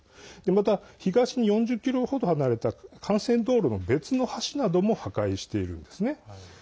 また、東に４０ｋｍ程離れた幹線道路の別の橋なども破壊しているんですね。